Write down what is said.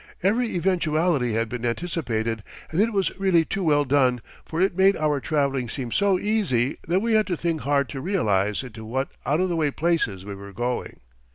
Every eventuality had been anticipated, and it was really too well done, for it made our traveling seem so easy that we had to think hard to realize into what out of the way places we were going.